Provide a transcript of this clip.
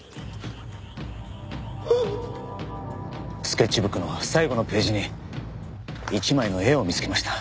スケッチブックの最後のページに一枚の絵を見つけました。